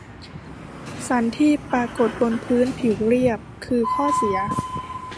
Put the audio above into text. สันที่ปรากฏบนพื้นผิวเรียบ คือ ข้อเสีย